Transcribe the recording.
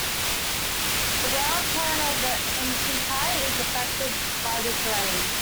The ground plan of an enceinte is affected by the terrain.